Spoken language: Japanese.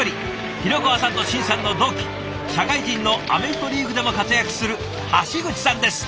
廣川さんと眞さんの同期社会人のアメフトリーグでも活躍する橋口さんです。